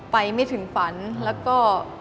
ไปไม่ถึงฝันแล้วก็